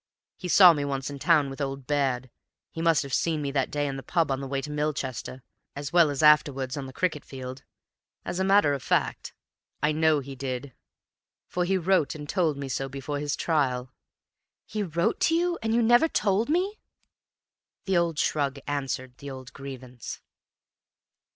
He saw me once in town with old Baird. He must have seen me that day in the pub on the way to Milchester, as well as afterwards on the cricket field. As a matter of fact, I know he did, for he wrote and told me so before his trial." "He wrote to you! And you never told me!" The old shrug answered the old grievance.